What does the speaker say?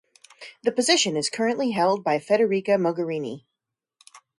The position is currently held by Federica Mogherini.